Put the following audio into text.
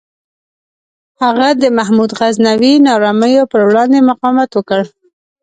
هغه د محمود غزنوي نارامیو پر وړاندې مقاومت وکړ.